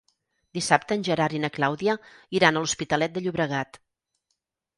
Dissabte en Gerard i na Clàudia iran a l'Hospitalet de Llobregat.